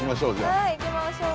はい行きましょう。